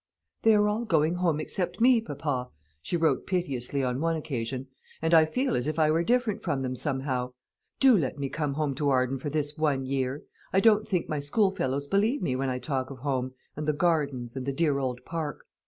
"They are all going home except me, papa," she wrote piteously on one occasion, "and I feel as if I were different from them, somehow. Do let me come home to Arden for this one year. I don't think my schoolfellows believe me when I talk of home, and the gardens, and the dear old park.